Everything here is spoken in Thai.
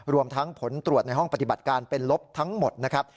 รวมทั้งผลตรวจในห้องปฏิบัติการเป็นลบทั้งหมดนะครับ